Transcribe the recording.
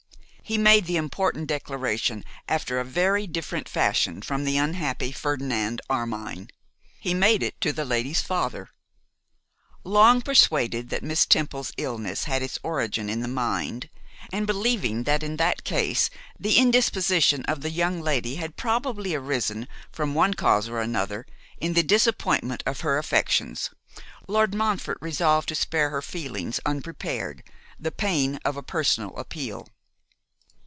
He made the important declaration after a very different fashion from the unhappy Ferdinand Armine: he made it to the lady's father. Long persuaded that Miss Temple's illness had its origin in the mind, and believing that in that case the indisposition of the young lady had probably arisen, from one cause or another, in the disappointment of her affections, Lord Montfort resolved to spare her feelings, unprepared, the pain of a personal appeal.